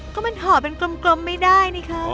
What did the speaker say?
ก็มันห่อเป็นกลมไม่ได้นี่ครับ